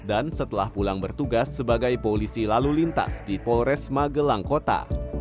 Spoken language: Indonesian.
dan setelah pulang bertugas sebagai polisi lalu lintas di pores magelang kota